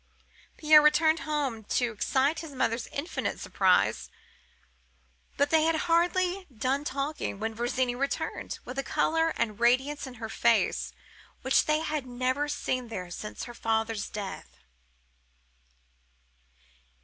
Pierre returned home to excite his mother's infinite surprise. But they had hardly done talking, when Virginie returned, with a colour and a radiance in her face, which they had never seen there since her father's death."